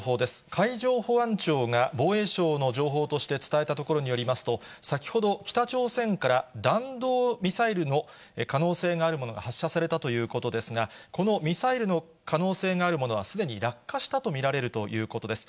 海上保安庁が防衛省の情報として伝えたところによりますと、先ほど、北朝鮮から弾道ミサイルの可能性があるものが発射されたということですが、このミサイルの可能性があるものはすでに落下したと見られるということです。